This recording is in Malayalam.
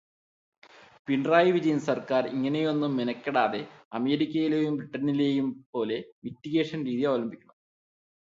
പിണറായി വിജയൻ സർക്കാർ ഇങ്ങനെയൊന്നും മെനക്കെടാതെ അമേരിക്കയിലെയും ബ്രിട്ടണിലെയും പോലെ മിറ്റിഗേഷൻ രീതി അവലംബിക്കണം.